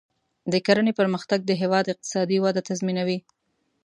د کرنې پرمختګ د هیواد اقتصادي وده تضمینوي.